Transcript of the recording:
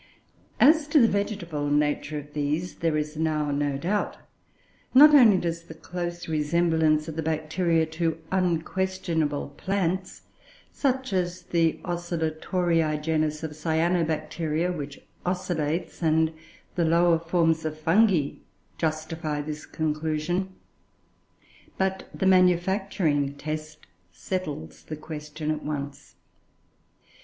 As to the vegetable nature of these there is now no doubt. Not only does the close resemblance of the Bacteria to unquestionable plants, such as the Oscillatorioe and the lower forms of Fungi, justify this conclusion, but the manufacturing test settles the question at once.